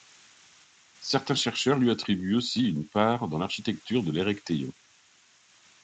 Certains chercheurs lui attribuent aussi une part dans l'architecture de l'Érechthéion.